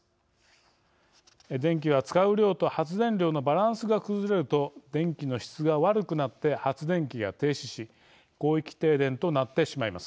電気は使う量と発電量のバランスが崩れると電気の質が悪くなって発電機が停止し広域停電となってしまいます。